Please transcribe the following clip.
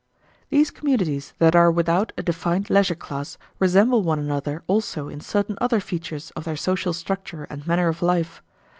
These communities that are without a defined leisure class resemble one another also in certain other features of their social structure and manner of life.